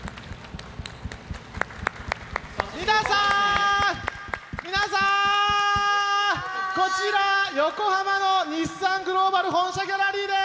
皆さん、皆さん、こちら、横浜の日産グローバル本社ギャラリーです。